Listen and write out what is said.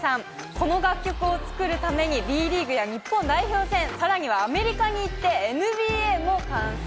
この楽曲を作るために、Ｂリーグや日本代表戦、さらにはアメリカに行って、ＮＢＡも観戦。